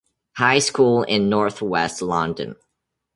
High School in north-west London.